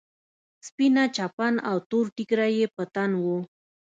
سپينه چپن او تور ټيکری يې په تن و.